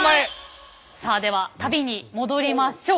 さあでは旅に戻りましょう。